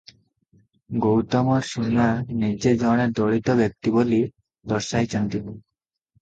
ଗୌତମ ସୁନା ନିଜେ ଜଣେ ଦଳିତ ବ୍ୟକ୍ତି ବୋଲି ଦର୍ଶାଇଛନ୍ତି ।